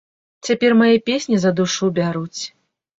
Цяпер мае песні за душу бяруць.